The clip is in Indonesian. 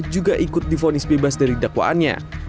juga ikut difonis bebas dari dakwaannya